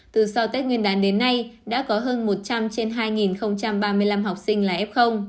từ sau tết nguyên đán đến nay đã có hơn một trăm linh trên hai ba mươi năm học sinh là f